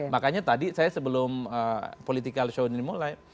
makanya tadi saya sebelum political show ini mulai